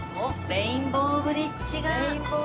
レインボーブリッジ。